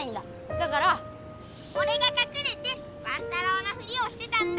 だからおれがかくれてワン太郎のフリをしてたんだ！